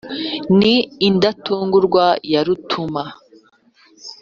Ni indatungurwa ya Rutuma